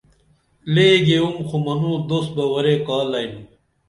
لے گیوم خو منوں دوس بہ ورے کا لئم